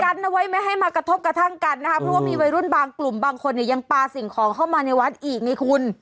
กันเอาไว้ไม่ให้มากระทบกระทั่งกันนะคะเพราะว่ามีวัยรุ่นบางกลุ่มบางคนเนี่ยยังปลาสิ่งของเข้ามาในวัดอีกไงคุณ